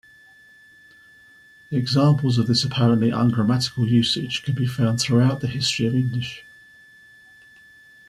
Examples of this apparently ungrammatical usage can be found throughout the history of English.